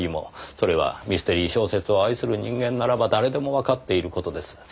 それはミステリー小説を愛する人間ならば誰でもわかっている事です。